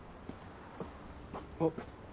あっ。